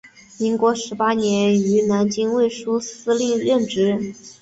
民国十八年于南京卫戍司令任职。